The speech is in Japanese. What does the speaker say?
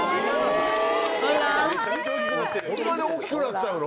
こんなに大きくなっちゃうの？